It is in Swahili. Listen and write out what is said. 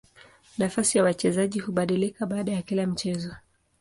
Nafasi ya wachezaji hubadilika baada ya kila mchezo.